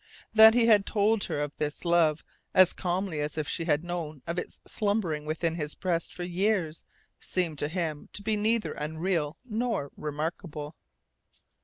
That he had told her of this love as calmly as if she had known of it slumbering within his breast for years seemed to him to be neither unreal nor remarkable.